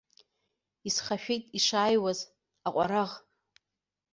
Исхашәеит ишааиуаз аҟәараӷ.